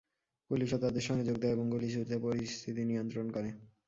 পুলিশও তাঁদের সঙ্গে যোগ দেয় এবং গুলি ছুড়ে পরিস্থিতি নিয়ন্ত্রণ করে।